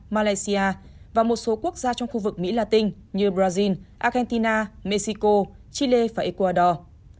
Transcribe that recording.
malaysia và một số quốc gia trong khu vực mỹ latin như brazil argentina mexico chile và ecuador